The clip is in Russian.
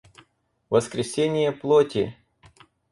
воскресение плоти